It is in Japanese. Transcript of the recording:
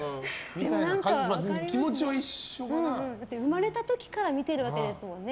でも生まれた時から見てるわけですもんね。